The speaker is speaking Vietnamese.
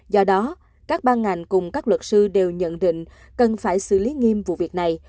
do đó các ban ngành cùng các luật sư đều nhận định cần phải xử lý nghiêm vụ việc này